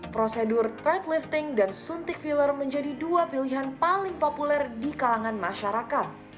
prosedur threadlifting dan suntik filler menjadi dua pilihan paling populer di kalangan masyarakat